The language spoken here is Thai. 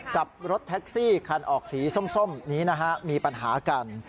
กับรถแท็กซี่คันออกสีส้มนี้นะฮะมีปัญหากัน